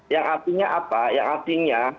yang artinya apa yang artinya